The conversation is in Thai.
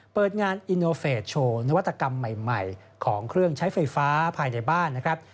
เปิดงานอินโนเฟสโชว์นวัตกรรมใหม่ของเครื่องใช้ไฟฟ้าภายในบ้านนะครับ